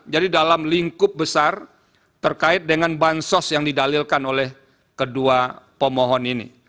dalam lingkup besar terkait dengan bansos yang didalilkan oleh kedua pemohon ini